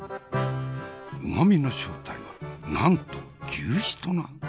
うまみの正体はなんと牛脂とな！